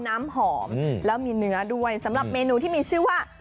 น้ำหอมแล้วมีเนื้อด้วยสำหรับเมนูที่มีชื่อว่า